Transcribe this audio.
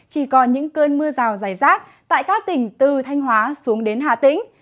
chỉ còn những cơn mưa rào dài rác tại các tỉnh từ thanh hóa xuống đến hà tĩnh